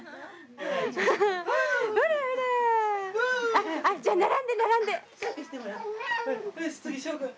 あっじゃあ並んで並んで。